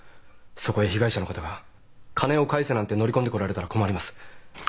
そこへ被害者の方が「金を返せ」なんて乗り込んでこられたら困ります。